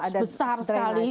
ada box besar sekali